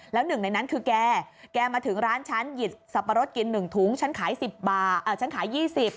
แล้วหนึ่งในนั้นคือแกแกมาถึงร้านฉันหยิบสัปรดกิน๑ถุงฉันขาย๒๐